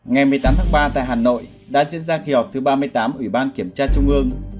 ngày một mươi tám tháng ba tại hà nội đã diễn ra kỳ họp thứ ba mươi tám ủy ban kiểm tra trung ương